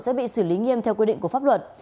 sẽ bị xử lý nghiêm theo quy định của pháp luật